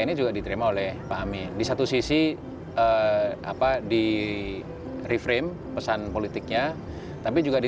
ini juga diterima oleh pak amin di satu sisi apa di reframe pesan politiknya tapi juga di